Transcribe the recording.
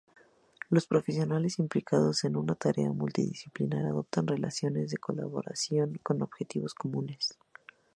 Los profesionales implicados en una tarea multidisciplinar adoptan relaciones de colaboración con objetivos comunes.